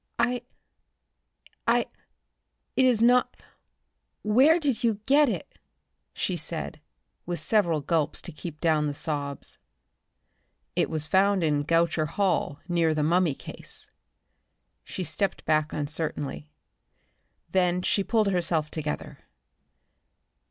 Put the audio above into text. "I I It is not Where did you get it?" she said, with several gulps to keep down the sobs. "It was found in Goucher Hall near the mummy case." She stepped back uncertainly. Then she pulled herself together.